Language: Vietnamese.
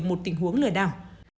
một tình huống lừa đảo